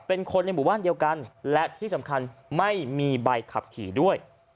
เป็นคนในหมู่บ้านเดียวกันและที่สำคัญไม่มีใบขับขี่ด้วย